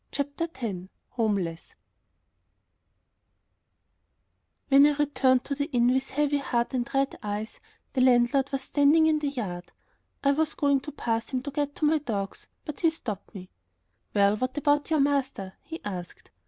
CHAPTER X HOMELESS When I returned to the inn with heavy heart and red eyes, the landlord was standing in the yard. I was going to pass him to get to my dogs, but he stopped me. "Well, what about your master?" he asked.